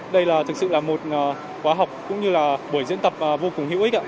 đây là thực sự là một khóa học cũng như là buổi diễn tập vô cùng hữu ích